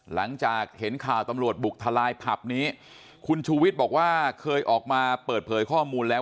หลังจากเห็นข่าวตำรวจบุกทลายผับนี้คุณชูวิทย์บอกว่าเคยออกมาเปิดเผยข้อมูลแล้ว